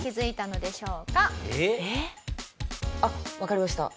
えっ？あっわかりました。